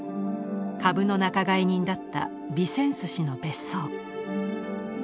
株の仲買人だったビセンス氏の別荘。